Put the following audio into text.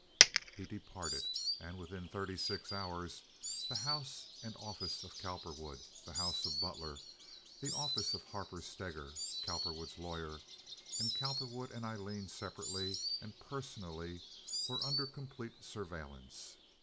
He departed, and within thirty six hours the house and office of Cowperwood, the house of Butler, the office of Harper Steger, Cowperwood's lawyer, and Cowperwood and Aileen separately and personally were under complete surveillance.